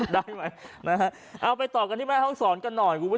ได้ไหมเอาไปต่อกันที่แม่เขาสอนกันหน่อย